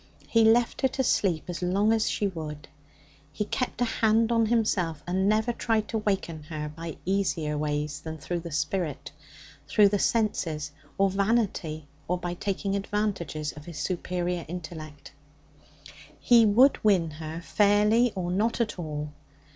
He left her to sleep as long as she would. He kept a hand on himself, and never tried to waken her by easier ways than through the spirit through the senses, or vanity, or by taking advantages of his superior intellect. He would win her fairly or not at all.